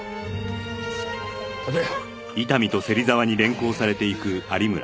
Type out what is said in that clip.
立て。